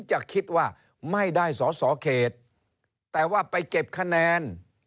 จะคิดว่าไม่ได้สอสอเขตแต่ว่าไปเก็บคะแนน